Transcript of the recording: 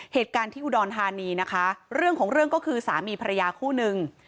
เหตุการณ์ที่อุดรธานีนะคะเรื่องของเรื่องก็คือสามีภรรยาคู่นึง